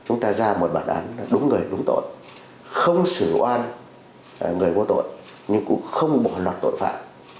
chúng ta ra một bản đoán đúng người đúng tội không xử oan người có tội nhưng cũng không bỏ lọt tội phạm